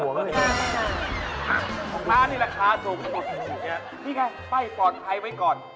ของข้านี่ราคาถูกถูกที่สุดอย่างนี้